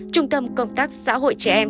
trung tâm công tác xã hội trẻ em